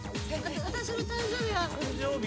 私の誕生日は。